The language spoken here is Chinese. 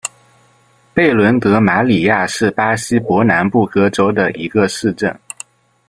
贝伦德马里亚是巴西伯南布哥州的一个市镇。